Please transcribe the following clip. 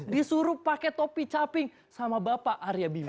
disuruh pakai topi caping sama bapak arya bima